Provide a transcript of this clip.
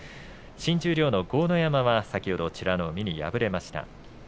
新十両の豪ノ山、先ほど美ノ海に敗れました。